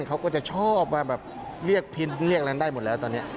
เขาก็จะชอบมาแบบเรียกพินเรียกอะไรได้หมดแล้วตอนนี้